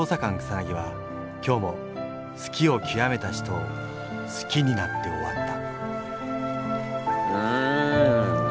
草は今日も好きをきわめた人を好きになって終わったうん！